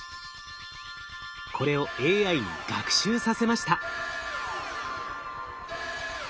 これをＡＩに学習させました。